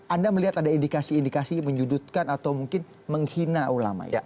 anda melihat ada indikasi indikasi menyudutkan atau mungkin menghina ulama ya